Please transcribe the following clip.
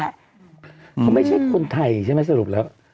เขาไม่ใช่คนไทยใช่ไหมสรุปแล้ว